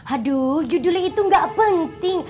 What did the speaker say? aduh judulnya itu gak penting